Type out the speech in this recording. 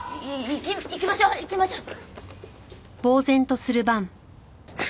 行きましょう行きましょう。